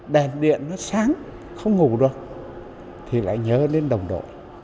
đèn điện nó sáng không ngủ được thì lại nhớ lên đồng đội